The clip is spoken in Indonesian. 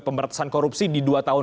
pemberantasan korupsi di dua tahun